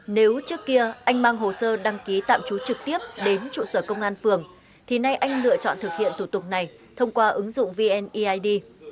nếu trước kia anh mang hồ sơ đăng ký tạm trú trực tiếp đến trụ sở công an phường thì nay anh lựa chọn thực hiện thủ tục này thông qua ứng dụng vneid